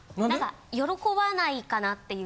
喜ばないかなっていう。